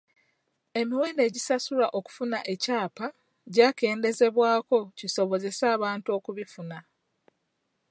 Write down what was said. Emiwendo egisasulwa okufuna ekyapa gyakendeezebwako kisobozese abantu okubifuna.